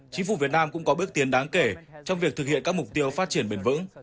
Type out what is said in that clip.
chính phủ việt nam cũng có bước tiến đáng kể trong việc thực hiện các mục tiêu phát triển bền vững